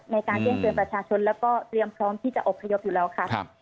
ในการแจ้งเตือนประชาชนแล้วก็เตรียมพร้อมที่จะอบพยพอยู่แล้วค่ะ